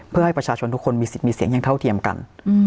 เพื่อให้ประชาชนทุกคนมีสิทธิ์มีเสียงอย่างเท่าเทียมกัน